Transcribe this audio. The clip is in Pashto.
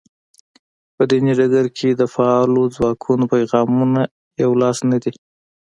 په دیني ډګر کې د فعالو ځواکونو پیغامونه یو لاس نه دي.